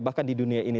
bahkan di dunia ini